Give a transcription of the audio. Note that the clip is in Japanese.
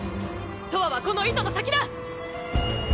とわはこの糸の先だ！